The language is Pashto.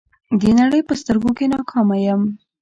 د نړۍ په سترګو کې ناکامه یم.